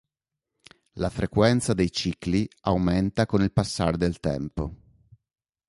La frequenza dei cicli aumenta con il passare del tempo.